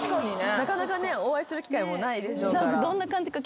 なかなかねお会いする機会もないでしょうから。